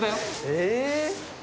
え！？